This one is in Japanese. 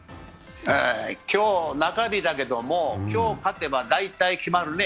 今日、中日だけども、今日勝てば大体決まるね。